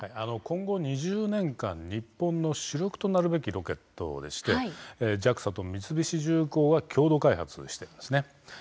今後２０年間、日本の主力となるべきロケットでしてＪＡＸＡと三菱重工が共同開発しているんですね。